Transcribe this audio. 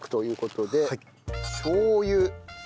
しょう油。